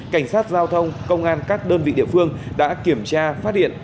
cảnh sát giao thông công an các đơn vị địa phương đã kiểm tra phát điện